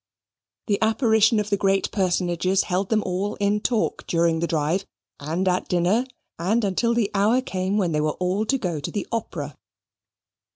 The apparition of the great personages held them all in talk during the drive; and at dinner; and until the hour came when they were all to go to the Opera.